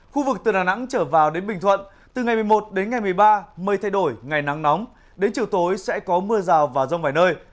khu vực từ đà nẵng trở vào đến bình thuận từ ngày một mươi một đến ngày một mươi ba mây thay đổi ngày nắng nóng đến chiều tối sẽ có mưa rào và rông vài nơi